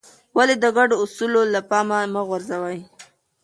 ولې د ګډو اصولو له پامه مه غورځوې؟